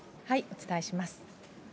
お伝えします。